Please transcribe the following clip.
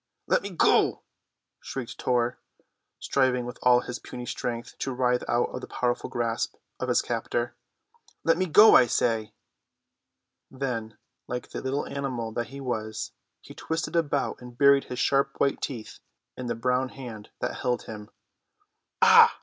"Let me go!" shrieked Tor, striving with all his puny strength to writhe out of the powerful grasp of his captor. "Let me go, I say!" Then, like the little animal that he was, he twisted about and buried his sharp white teeth in the brown hand that held him. "Ouf!